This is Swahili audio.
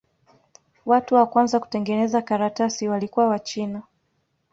Watu wa kwanza kutengeneza karatasi walikuwa Wachina.